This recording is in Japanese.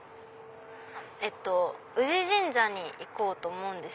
宇治神社に行こうと思うんです。